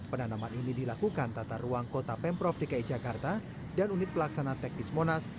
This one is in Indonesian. penanaman ini dilakukan tata ruang kota pemprov dki jakarta dan unit pelaksana teknis monas